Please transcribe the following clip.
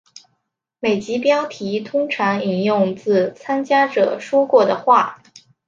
每集标题通常引用自参加者说过的话。